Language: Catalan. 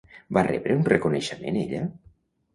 Va rebre un reconeixement ella?